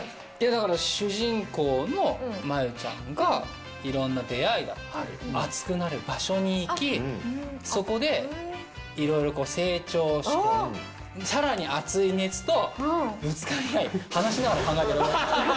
だから主人公の茉優ちゃんがいろんな出会いだったり、熱くなる場所に行き、そこでいろいろ成長して、さらに熱い熱とぶつかり合い、話しながら考えてる。